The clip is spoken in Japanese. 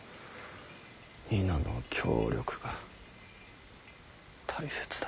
皆の協力が大切だ。